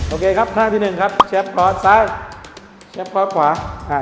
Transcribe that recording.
โอเคครับท่าที่๑ครับแช๊ปพอร์ตซ้ายแช๊ปพอร์ตขวาอ่า